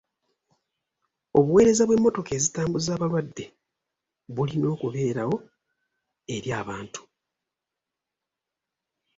Obuweereza bw'emmotoka ezitambuza balwadde bulina okubeerawo eri abantu.